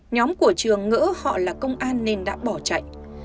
nhóm của trường ngỡ họ là công an nên đã bỏ chạy